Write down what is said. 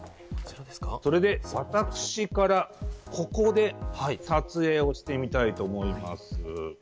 それで私からここで撮影をしてみたいと思います。